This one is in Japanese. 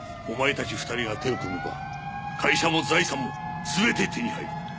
お前たち２人が手を組めば会社も財産も全て手に入る。